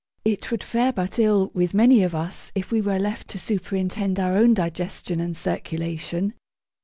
It would fare but ill with many of us if we were left to superintend our own digestion and circulation.